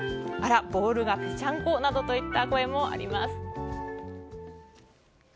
あら、ボールがぺちゃんこなどといった声もあります。